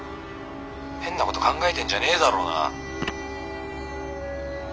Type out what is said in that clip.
変なこと考えてんじゃねえだろうな？